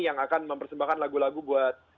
yang akan mempersembahkan lagu lagu buat